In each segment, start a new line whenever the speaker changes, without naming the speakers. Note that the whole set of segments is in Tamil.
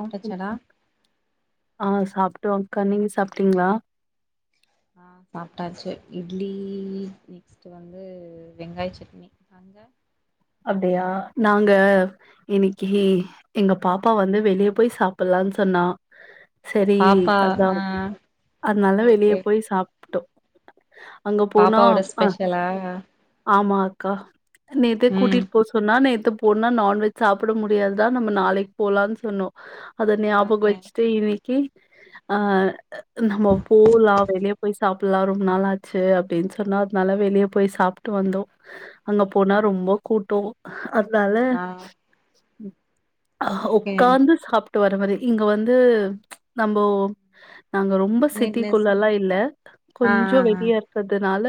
ஆ சொல்லுங்கக் ஆ சாப்டோ அக்கா நீங்க சாப்டீங்ளா
ஆ சாப்டாச்சு இட்லீ நெக்ஸ்ட்டு வந்து வெங்காய சட்னி அங்க
அப்டியா நாங்க இனைக்கீ எங்க பாப்பா வந்து வெளிய போய் சாப்புட்லான் சொன்னா செரீ
பாப்பா
அதா
ஆ
அதுனால வெளிய
ஓகே
போய் சாப்ட்டோ அங்க போனா
பாப்பாவோட
அ
ஸ்பெஷலா
ஆமா அக்கா நேத்தே
ம்
கூட்டிட்டு போஸ் சொன்னா நேத்து போனா நான்வெஜ் சாப்புட முடியாதுடா நம்ம நாளைக் போலான் சொன்னோ அத ஞாபகோ
ஓகே
வச்சுட்டு இன்னைக்கு அ நம்ம போலா வெளிய போய் சாப்டலா ரொம்ப நாளாச்சு அப்டின்னு சொன்னார் அதனால வெளியே போய் சாப்ட்டு வந்தோ அங்க போனா ரொம்போ கூட்டோ அதனால
ஆ ஓகே
ஒக்காந்து சாப் வருவாரு இங்க வந்து நம்போ நாங்க ரொம் ரொம்ப
நீட்னஸ்
சிட்டிக்குள்ளல்லா இல்ல
ஆ
கொஞ்சோ வெளிய னால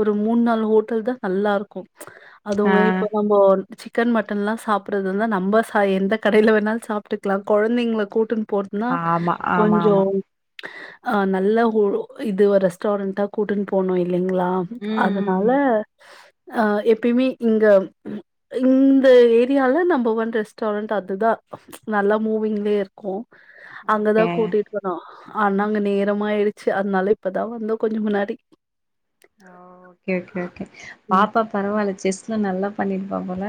ஒரு மூணு நாளு ஹோட்டல் தா நல்லா இருக்கு
ஆ ஆ
அதுவுமே இப்ப நம்போ சிக்கன் மட்டன்ல்லா சாப்றதுந்தா நம்ம சா எந்த கடையில வேணாலு சாப்ட்டுக்கலா கொழந்தைங்களை கூட்டுன்னு போர் னா
ஆ ஆமா ஆமா
கொஞ்சோ
ஆமா
அ நல்ல ஹோ இது ரெஸ்டாரண்டா கூட்டுன்னு போனு இல்லைங்களா
ம் ம்
அதனால
ம்
அ எப்பயுமே இங்க இந்த ஏரியால நம்பர் ஒன் ரெஸ்டாரண்ட் அதுதா நல்லா மூவிங்லயே இருக்கு அங்கதா
ஓகே
கூட்டிட் போனோ ஆனா அங்க நேரமாயிடுச்சு அதனால இப்பதா வந்தோ கொஞ்சோ முன்னாடி
ஓகே ஓகே ஓகே
ம்.
பாப்பா பரவால்ல செஸ்ல நல்லா பண்ணிருப்பா போல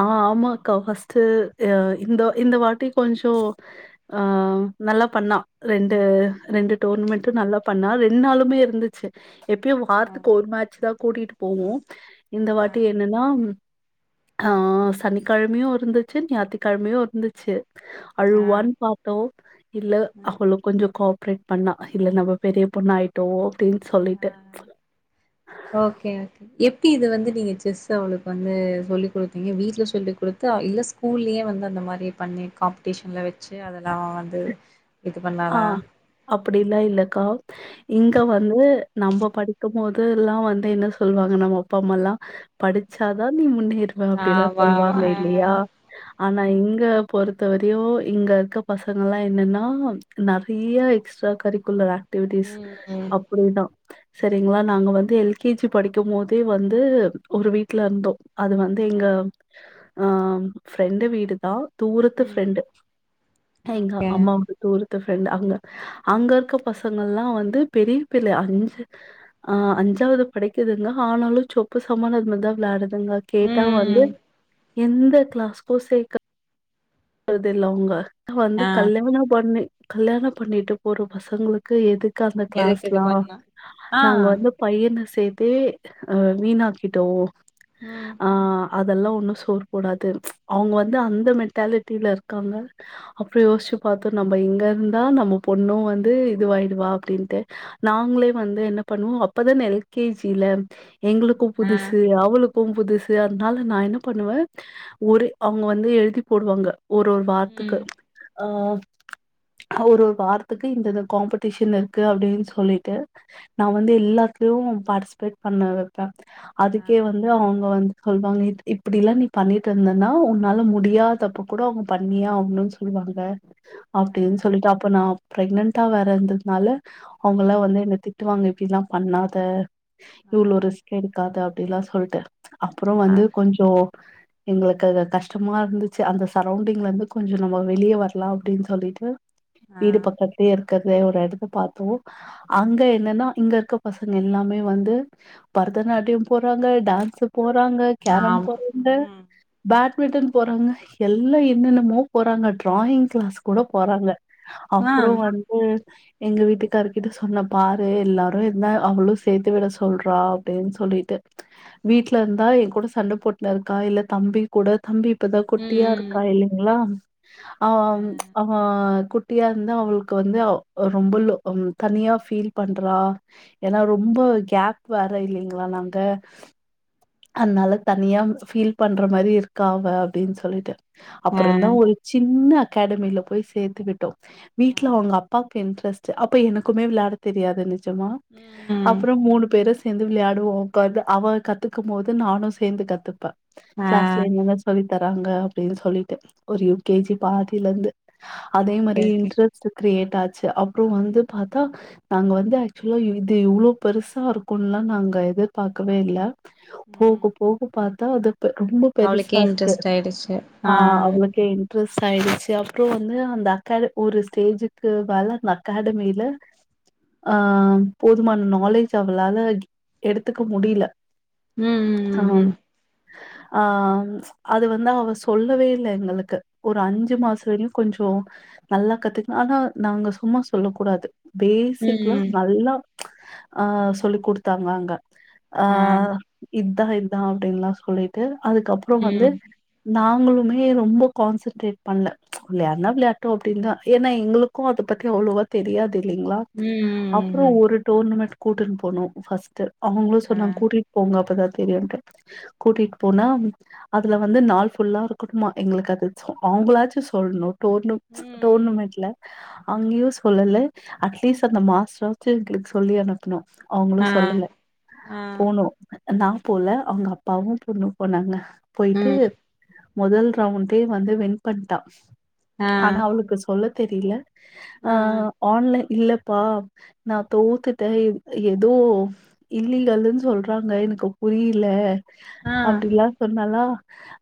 ஆ ஆமா அக்கா ஃபஸ்ட் அ இந்த இந்த வாட்டி கொஞ்சோ ஆ நல்லா பண்ணா ரெண்டு ரெண்டு டோர்னமெண்ட்டு நல்லா பண்ணா ரெண்டு நாளுமே இருந்துச்சு எப்பயு
ஆ
வாரத்துக்கு ஒரு மேச்சுதா கூட்டிட்டு போவோ இந்த
ஆ
வாட்டி என்னன்னா ஆ சனிக்கெழமையு இருந்துச்சு ஞாயித்திக்கெழமையு இருந்துச்சு
ஆ
அழுவான்னு பா த்தோ இல்ல
ம்
அவளு கொஞ்சோ கோஆப்ரேட் பண்ணா இல்ல நம்ம பெரிய பொண்ணு ஆயிட்டோ அப்டின்னு சொல்லிட்டு
ஆ ஆ ஓகே ஓகே எப்டி இது வந்து நீங்க செஸ் அவளுக்கு வந்து சொல்லி குடுத்தீங்க வீட்ல சொல்லி் குடுத்தா இல்ல ஸ் ஸ்கூல்லயே வந்து அந்த மாரி பண்ணி காம்படிஷன்ல வச்சு அதெல்லா அவ வந்து இது பண்ணாளா
அப்டிலா இல்லக்கா இங்க வந்து நம்ப படிக்குபோதுல்லா வந்து என்ன சொல்லுவாங்க நம்ம அப்பாம்மா எல்லா படிச்சாதா நீ முன்னேறுவே அப்டிலா
ஆமா.
சொல்லுவாங்க
ஆ,
இல்லையா ஆனா
ஆ.
இங்க பொறுத்த வரையு இங்க இருக்க பசங்க எல்லா என்னன்னா நெறய எக்ஸ்ட்ரா கரிக்குலர் ஆக்டிவிட்டிஸ்
ம், ம்.
அப்டின்னா சரிங்களா நாங்க வந்து எல்கேஜி படிக்கு போதே வந்து ஒரு வீட்ல இருந்தோ அது வந்து
ஆ.
எங்க ஆ ஃப்ரெண்டு வீடு தா தூரத்து
ம்.
ஃப்ரெண்டு எங்க
ஓகே.
அம்மாவோட தூரத்து த்து ஃபிரண்டு அவுங்க அங்க இருக்க பசங்கள்லா வந்து பெரிய பிள்ள அஞ்சு ஆ அஞ்சாவது படிக்குதுங்க ஆனாலு சொப்பு சமானு அதுமாரி தா வெளையாடு அதுங்க
ம்,
கேட்டா வந்து
ம்.
எந்த கிளாஸ்கோ சேக் து இல்ல அவுங்க வந்து
ஆ.
கல்யாணொ பண்ணி கல்யாணொ பண்ணிட்டு போற பசங்களுக்கு எதுக் அந்த
எதுக்கு இது
கிளாஸ்லா
பண்ணா? ஆ.
நாங்க வந்து பையன சேத்தே அ வீணாக்கிட்டோ
உம்
ஆ அதெல்லா ஒன்னு சோறு போடாது அவுங்க வந்து அந்த மென்டாலிட்டில இருக்காங்க அப்றொ யோசிச்சு பாத்தோ நம்ம இங்க இருந்தா நம்ம பொண்ணூ வந்து இதுயிடுவா அப்டின்ட்டு நாங்களே வந்து என்ன பண்ணுவோ அப்பதான எல் கே ஜில எங்களுக்கு
ஆ.
புதுசு அவளுக் கூ புதுசு அதனால நா என்ன பண்ணுவே ஒரு அவுங்க வந்து எழுதி போடுவாங்க ஒரு ஒரு வார்த்துக்கு
ம்.
அ ஒரு ஒரு வார்த்துக்கு இந்த இந்த காம்படிஷன் இருக்கு அப்டின்னு சொல்லிட்டு நா வந்து எல்லாத்துலயு பார்ட்டிஸ்பேட் பண்ண வைப்பே
ஆ.
அதுக்கே வந்து அவுங்க வந்து சொல்லுவாங்க இப்டில்லா நீ பண்ணிட்டு இருந்தன்னா ஒன்னால முடியாதப்ப கூட அவுங்க பண்ணியாவுணு சொல்லுவாங்க
ஆ.
அப்டின்னு சொல்லிட்டு அப்ப நா பிரெக்னன்டா வேற இருந்ததுனால அவுங்கலா
ம்.
வந்து என்ன திட்டுவாங்க இப்டில்லா பண்ணாத
ஆ.
இவ்ளோ ரிஸ்க எடுக்காத அப்டிலா சொல்ட்டு அப்றொ
ஆ.
வந்து கொஞ்சோ எங்களுக்கு அதுகஷ்டமா இருந்துச்சு அந்த சரவுண்டிங்லிருந்து கொஞ்சொ நம்ம வெளியே வரலா அப்டின்னு சொல்லிட்டு
ஆ.
ஈடு கட்டுடனு இருக்க ஒரு எடத்த பாத்தோ அங்க என்னன்னா இங்க இருக்க பசங்க எல்லாமே வந்து பரதநாட்டியொ போறாங்க டான்ஸு போறாங்க கேரம்
ஆமா.
போறாங்க
ம்.
பேட்மிட்டன் போறாங்க எல்லா என்னென்னமோ போறாங்க ட்ராயிங் கிளாஸ் கூட போறாங்க
ஆ.
அப்றொ வந்து ம் எங்க வீட்டுக்கருக்கிட்ட சொன்ன பாரு எல்லாரு என்ன அவளூ சேத்து விட சொல்றா அப்டின்னு சொல்லிட்டு வீட்ல இருந்தா ஏ கூட சண்ட போட்னுர்க்கா இல்ல தம்பி கூட தம்பி இப்பதா
ம்,
குட்டியா இருக்கா
ம்.
இல்லேங்ளா அவ
ஆ.
அவ குட்டி குட்டியா இருந்தா அவளுக்கு வந்து ரொம்ப தனியா ஃபீல் பண்ற ஏனா ரொம்ப கேப் வேர இல்லங்களா நாங்க அதனால தனியாக ஃபீல் பண்ற மாரி இருக்காவ அப்டின்னு சொல்லி
ஆ.
அப்பறந் தா ஒரு சின்ன அகாடமில போய் சேத்து விட்டோ வீட்ல
ம்
அவுங்க அப்பாக்கு இன்ட்ரெஸ்ட் அப்ப எனக்குமே விளயாட தெரியாது நிஜமா
ம்
அப்பறொ மூணு பேரூ சேந்து விளயாடவொ ஒக்காந்து அவ கத்துக்க போது நானு சேந்து கத்துப்ப
ஆ
கிளாஸ்ல என்னென்ன சொல்லி தராங்க அப்டின்னு சொல்லிட்டு ஒரு யு கே ஜி பாதிலருந்து அதே
ஓகே
மாரி
ஓகே
இன்ட்ரெஸ்ட் கிரியேட் ஆச்சு அப்பறொ வந்து பாத்தா நாங்க வந்து ஆக்சுவலா இது இவ்ளோ பெருசா இருக்குன்லா நாங்க எதிர்பார்க்கவே இல்ல போக போக பாத்தா அது இவ்வளவு ரொம்ப பெருசா
அவளுக்கே இன்ட்ரெஸ்ட் ஆயிடுச்சி ஆ
கே இன்ட்ரெஸ்ட் ஆயிடுச்சு அப்பற வந்து அந்த அக்கட ஒரு ஸ்டேஜுக்கு மேல அந்த அகாடமில ஆ போதுமான நாலேஜ் அவ்ளால எடுத்துக்க முடில
ம் ம் ம்
ம் ஆ அது வந்து அவ சொல்லவே இல்ல எங்களுக்கு ஒரு அஞ்சு மாச வரக்கு கொஞ்சொ நல்லா கத்துக்ணு ஆனா நாங்க சும்மா சொல்ல கூடாது
ம் ம்
பேசிக்கல்லா
ம்
நல்லா அ சொல்லி் கொடுத்தாங்க அங்க ஆ இதா இதா அப்டின்னல்லா சொல்லிட்டு அதுக்கப்புறோ வந்து
ம்
நாங்களுமே ரொம்ப கான்சென்ட்ரேட் பண்ணல விளயாண்ணா விளையாட்டு அப்டின்னு தான் ஏன்னா எங்களுக்கு கொம் அத பத்தி அவ்ளோவா தெரியாது இல்லேங்களா
ம் ம்
அப்புற ஒரு டோர்னமெண்ட் கூட்டுனு போனு ஃபஸ்ட் அவங்களு
ம் ஆ
சொன்னாங்க கூட்டிட்டு போங்க அப்பதான தெரியாதுன்டோ கூட்டிட்டு போனா அதுல வந்து நாள் புல்லா இருக்கணுமா எங்களுக்கு அதுசு அவங்களாச்சு சொல்லணு டோர்னு டோர்னுமெண்ட்ல அங்கேயு சொல்லலா அட்லீஸ்ட் அந்த மாஸ்டார்ரச்சுச் எங்களுக்கு சொல்லி அனுப்பணு அவுங்களு
ஆ
சொல்லல
ஆ
போனு நா போல அவுங்க அப்பாவு பொண்ணு போனாங்க போயிட்டு
ம்
முதல் ரவுண்டே வந்து வின் பண்ணிட்டா
ஆ
ஆனா அவளுக்கு சொல்ல தெரியல ஆ ஆன்லைன் இல்லப்பா ந தோத்துட்டே ஏதோ இல்லீகள்ன்னு சொல்றாங்க எனக்கு புரியுல
ஆ
அப்டீலா சொன்னாளா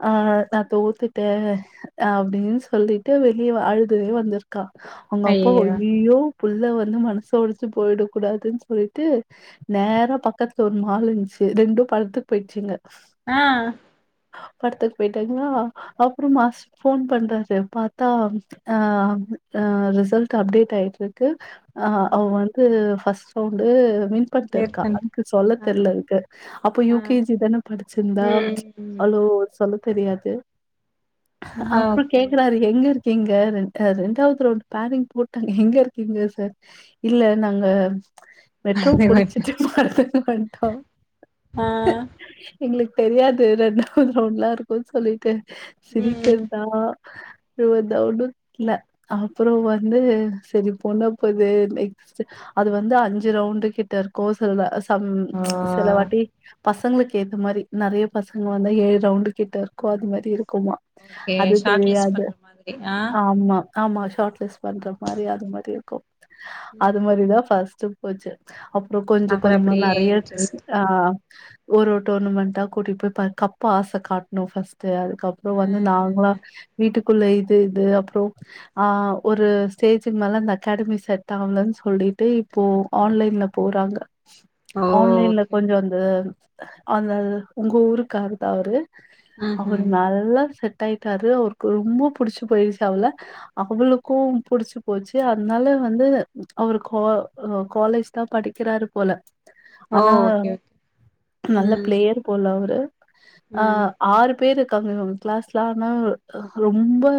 ஆ நா தோத்துட்டே அப்டீன்னு சொல்லிட்டு வெளியே அழுதுவே வந்திரு க்கா அவுங்க அப்பா
ஐயையோ
அய்யுய்யோ புள்ள வந்து மனச ஒடிச்சு போயிட கூடாதுன்னு சொல்லி ட்டு நேரா பக்கத்துல ஒரு மால் இருன்ச்சு ரெண்டும் படத்துக்கு போயிச்சுங்க
ஆ
படத்துக்கு போயிட்டாங்களா அப்புறோ மாஸ் ஃபோன் பண்றாரு பாத்தா ஆ அ ரிசல்ட் அப்டிடேட் ஆயிட்ருக்கு ஆ
ம்
அவ வந்து ஃபஸ்ட் ரவுண்டு வின்
கிளியர்
பன்ருக்கா
பண்
அதுக்கு சொல்ல
ஆ
தெர்ல இருக்கு அப்போ
ஆ
யு கே ஜி தானே படிச்சிருந்தா
ம் ம்
அவ்ளோ சொல்ல தெரியாது
ஆ
அப்புறோ
ஓகே
கேக்குறாரு எங்க இருக்கீங்க ரெண்டாவது ரெண்டாவது ரவுண்ட் பேனிங் போட்டாங்க எங்க இருக்கீங்க சார் இல்ல நாங்க மெட்ரோ புடிச்சுட்டு மார்த்தா ன்டோ வன்டோ
ஆ
எங்குளுக்கு தெரியாது ரெண்டாவது ரவுண்ட்லா இருக்கோ சொல்லிட்டு
ம்
சிரிக்கிறதா அழுவர்தா ஒன்னு இல்ல அப்புறோ வந்து செரி போனா போது லைஃப் அது வந்து அஞ்சு ரவுண்டு கிட்ட இருக் கோ சொல்லல சம்
ஓ
சிலவாட்டி பசங்குளுக்கு ஏத்த மாரி நறையா பசங்க வந்தா ஏறி ரவுண்டு கிட்ட இருக்கோ அது மாரி இருக்குமா
ஓகே
அது
ஷார்ட் லிஸ்ட்
கெடையாது
பண்ற மாதிரி ஆ
ஆமா ஆமா ஷாட்லஸ்ட் பண்ற மாரி அது மாரி இருக்கோ அது
ம்
மாரிதா ஃபஸ்ட்டு போச்சு அப்புறோ கொஞ்சோ
அப்புற
கொஞ்சமா
அப்டியே
நறைய
இன்ட்ரெஸ்ட்
ஆ ஒரு ஓரு டோர்னமெண்ட்டா கூட்டி போய் ப கப்பு ஆச காட்னோ ஃபஸ்ட்டு அதுக்கப் அப்புறோ
ஆ
வந்து நாங்களா
ஆ.
வீட்டுக்குள்ள இது இது அப்புறோ ஆ ஒரு ஸ்டேஜுக்கு மேல அந்த அகாடமி செட் ஆவலன்னு சொல்லிட்டு இப்போ ஆன்லைன்ல போறாங்க
ஓ
ஆன்லைன்ல
ஓகே
கொஞ்சோ அந்த அந்த உங்க ஊருக்காரு தா அவரு அவரு
ம்ஹும்
நல்லா செட்டாயிட்டாரு அவருக்கு ரொம்ப புடிச்சு போயிடுச்சு அவள அவுளுக்கோ புடிச்சு போச்சு அதனால வந்து அவரு கா காலேஜ் தா படிக்கிறாரு போல
ஓ
ஆனா
ஓகே ஓகே
நல்ல
ம்
பிளேயரு போல அவரு ஆ
ம்
ஆறு பேரு இருக்காங்கங்க அவுங்க கிளாஸ்ல ஆனா ரொம்போ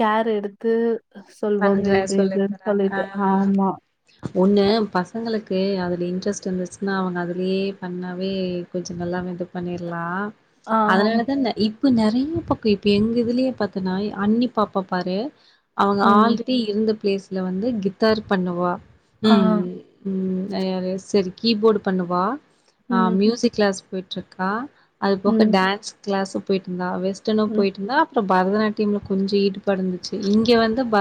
கேர் எடுத்து சொல்வாங்க
பண்றே
இது
சொல்லி
இதுனு
தராங்க ஆ
சொல்லிட்டு ஆமா
ஒன்னு பசங்களுக்கு அதுல இன்ட்ரெஸ்ட்டு இருந்துச்சுன்னா அவுங்க அதுலயே பண்ணாவே கொஞ்சோ நல்லாமே இது பண்ணிறலா
ஆ,
அதனாலதா இப்ப நறீய பக்கோ இப்ப எங்க இதுலயே பாத்தோன்னா அண்ணி பாப்பா பாரு அவங்க
ம்.
ஆல்ரெடி இருந்த பிளேஸ்ல வந்து கித்தார் பண்ணுவா
ஆ,
ம் ம் நறையாவே செரி கீபோர்டு பண்ணுவா அ
ம்,
மியூசிக் கிளாஸ் போயிட்ருக்கா அது போக
ம்,
டான்ஸ் கிளாஸு போயிட்ருந்தா வெஸ்டர்னு
ம்,
போயிட்ருந்தா அப்புறோ பரதநாட்டியமு கொஞ்சோ ஈடுபடுந்துச்சு இங்க வந்து ப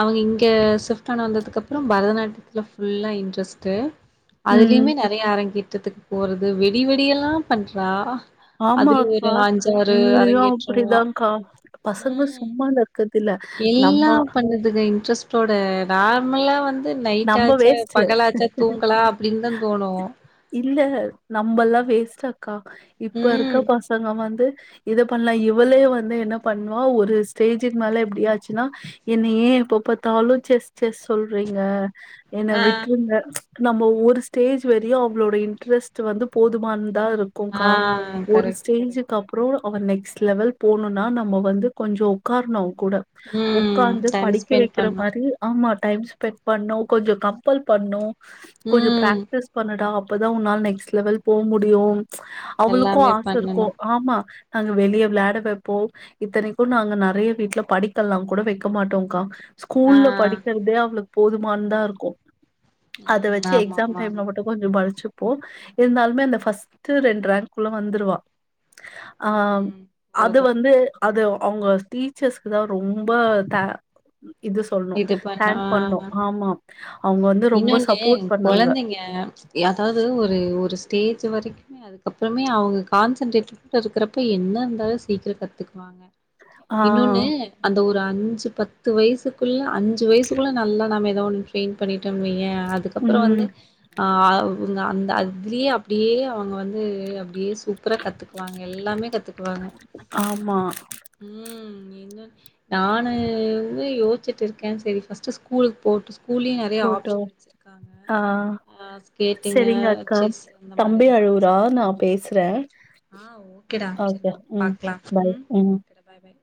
அவங்க இங்க வீட்டாண்ட வந்ததுக்கப்புறோ பரதநாட்டியத்துல ஃபுல்லா இன்ட்ரெஸ்ட்டு
ம்.
அதுலயுமே நறை யா அரங்கேற்றதுக்கு போறது வெடி வெடி எல்லா பண்றா
ஆமா
அதுலயு ஒரு
அக்கா.
அஞ்சாறு
இங்கேயும்
அரங்கேற்றோ
மானுக்குறதுல்ல
எல்லா பண்ணுதுங்க இன்ட்ரெஸ் டோட நார்மலா வந்து
நம்ம
நைட்டாச்சா
வேஸ்ட்.
பகலாச்சா தூங்கலா அப்டீன்னுதா தோணோ
இல்ல நம்மல்லாம் வேஸ்ட்டக்கா இப்ப இருக்க
ம்.
பசங்க வந்து இத பண்லா இவளே வந்து என்ன பண்வா ஒரு ஸ்டேஜ்க்கு மேல இப்டியாச்சுனா என்ன ஏ எப்பப்த்தாலு செஸ் செஸ் சொல்றீங்க என்ன
ஆ.
விட்டுருங்க நம்ம ஒரு ஸ்டேஜ் வரையு அவளோட இன்ட்ரெஸ்ட் வந்து போதுமானதா இரு
ஆ
க்குகா ஒரு
கரெக்ட், கரெக்ட்.
ஸ்டேஜ்க்கு அப் றம் அவன் நெக்ஸ்ட் லெவல் போணுனா நம்ம வந்து கொஞ்ச உக்காரணு அவன் கூட
ம்.
உக்காந்து
டைம்
படிக்க
ஸ்பெண்ட்
வெக்கிற
பண்ணணும்.
மாறி ஆமா டைம் ஸ்பெண்ட் பண்ணு கொஞ்ச கம்பல் பண்ணு கொஞ்ச
ம்.
ப்ராக்டிஸ் பண்ணுடா அப்பதா உன்னால நெக்ஸ்ட் லெவல் போமுடியு அவளுக்கு
எல்லாமே
ஆச இருக்கு
பண்ணணும்.
ஆம்மா அங்க வெளியே விளாட வெப்போ இத்தனைக்கு நாங்க நெறைய வீட்ல படிக்கல்லா கூட வெக்க மாட்டோங்க்கா
ஆ.
ஸ்கூல்ல படிக்கிறதே அவளுக்கு போதுமானதா இருக்கு அத
ம்.
வெச்சு எக்ஸாம் டைம்ல
ஆமாமாமா.
மட்டு கொஞ்ச படிச்சுப்போ இருந்தாலுமே அந்த பஸ்ட் ரெண்டு ரேங்க்குல்ல வந்துருவான் ஆ
ம்.
அது
போதும்.
வந்து அது அவுங்க டீச்சர்ஸ்க்கு தா ரொம்ப தா இது சொல்ணு
இது பண்ணா
தேங்க்
ஆ.
பண்னு ஆமா அவுங்க வந்து ரொம்ப சப்போர்ட் பண்ணாங்க
ஏ அதாவது ஒரு ஒரு ஸ்டேஜ் வரைக் அதுக்கப்பறமே அவுங்க கான்சன்ட்ரேட் இருக்கறப்ப என்ன இருந்தாலு சீக்கிர கத்துக்வாங்க
ஆ,
இன்னொன்னு அந்த ஒரு அஞ்சு பத்து வயசுக்குள்ள அஞ் அஞ்சு வயசுக்குள்ள நல்லா நாம ஏதோ ஒண்ணு ட்ரெயின் பண்ணிட்டோனு வெய்யே அதுக்கப்றோ
ம்.
வந்து ங்க அந்த அதுலயே அப்டியே அவங்க வந்து வந்து அப்டியே சூப்பரா கத்துக்வாங்க எல்லாமே கத்துக்வாங்க
ஆமா.
உம் இன்ன நானு வந்து யோசி யோச்சிட் இருக்கே செரி பஸ்ட் ஸ்கூலு போட்டு ஸ்கூல்லயு நெறைய
போட்டோ.
ஆப்ஷன் வெச்சிருக்காங்க
ஆ,
ஹ ஸ்கேட்டிங்க செஸ் அந்த மாரில்லா
நானா பேசுறே
ஆ ஓகேடா சரி நம்ப பாக்கலா
பாய்.
உம்
ம்.
ஓகேடா பாய் பாய்